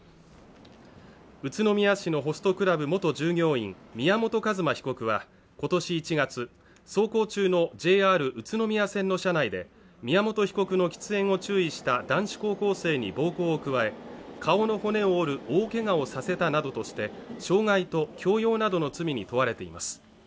宇都宮市のホストクラブ元従業員宮本一馬被告は今年１月、走行中のＪＲ宇都宮線の車内で宮本被告の喫煙を注意した男子高校生に暴行を加え顔の骨を折る大けがをさせたなどとして、傷害と強要などの罪に問われています。